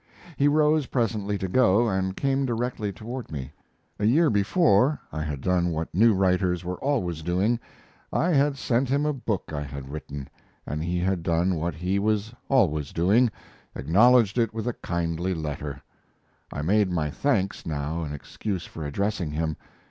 He rose presently to go, and came directly toward me. A year before I had done what new writers were always doing I had sent him a book I had written, and he had done what he was always doing acknowledged it with a kindly letter. I made my thanks now an excuse for addressing him.